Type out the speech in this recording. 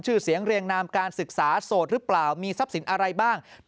ชื่อเสียงเรียงนามการศึกษาโสดหรือเปล่ามีทรัพย์สินอะไรบ้าง